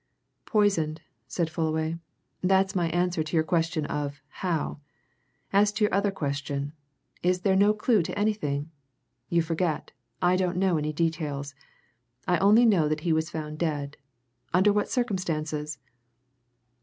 "Poisoned," said Fullaway. "That's my answer to your question of how? As to your other question is there no clue to anything? you forget I don't know any details. I only know that he was found dead. Under what circumstances?"